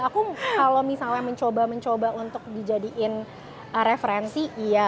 aku kalau misalnya mencoba mencoba untuk dijadiin referensi iya